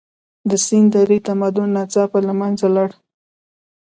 د سند درې تمدن ناڅاپه له منځه لاړ.